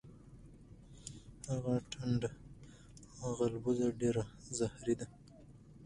هغه ټنډه غالبوزه ډیره زهری ده.